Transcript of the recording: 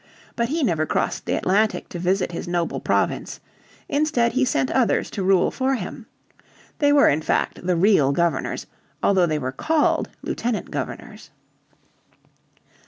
But he never crossed the Atlantic to visit his noble province. Instead he sent others to rule for him. They were in fact the real governors, although they were called lieutenant governors.